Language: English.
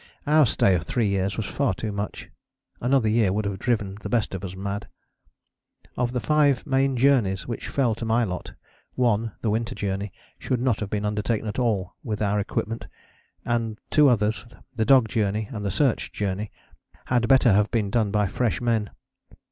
Our stay of three years was far too much: another year would have driven the best of us mad. Of the five main journeys which fell to my lot, one, the Winter Journey, should not have been undertaken at all with our equipment; and two others, the Dog Journey and the Search Journey, had better have been done by fresh men.